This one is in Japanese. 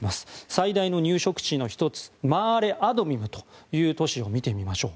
最大の入植地の１つマアレ・アドミムという都市を見てみましょう。